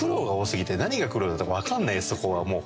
そこはもう。